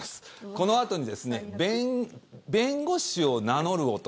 このあとに、弁護士を名乗る男